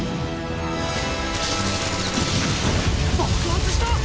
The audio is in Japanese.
爆発した！